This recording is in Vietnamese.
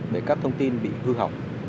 để các thông tin bị hư học